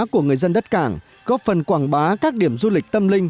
của người dân đất cảng góp phần quảng bá các điểm du lịch tâm linh